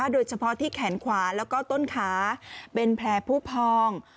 โดยเฉพาะที่แขนขวาแล้วก็ต้นขาเป็นแผลผู้พอง